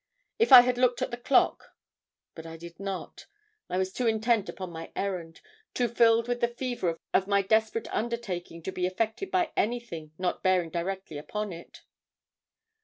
If I had looked at the clock but I did not; I was too intent upon my errand, too filled with the fever of my desperate undertaking, to be affected by anything not bearing directly upon it.